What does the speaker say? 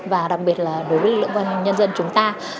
và đặc biệt là đối với lượng nhân dân chúng ta